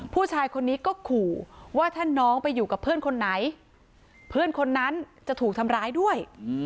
ผู้ชายคนนี้ก็ขู่ว่าถ้าน้องไปอยู่กับเพื่อนคนไหนเพื่อนคนนั้นจะถูกทำร้ายด้วย